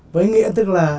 với nghĩa tức là